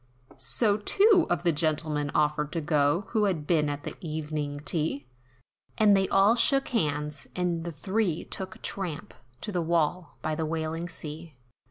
So two of the gentlemen, offered to go, Who had been at the evening tea, And they all shook hands, and the three took tramp, To the wall, by the wailing sea.